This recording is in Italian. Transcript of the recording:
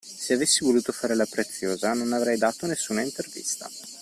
Se avessi voluto fare la preziosa, non avrei dato nessuna intervista.